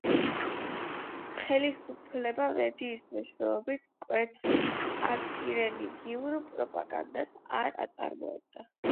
ხელისუფლება მედიის მეშვეობით მკვეთრ ანტირელიგიურ პროპაგანდას არ აწარმოებდა.